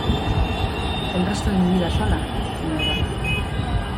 el resto de mi vida sola, en el barco.